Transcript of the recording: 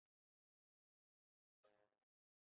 感觉可以住一天